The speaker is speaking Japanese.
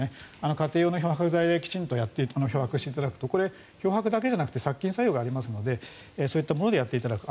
家庭用の漂白剤できちんと漂白していただくとこれ、漂白だけじゃなくて殺菌作用もあるのでそういったものでやっていただく。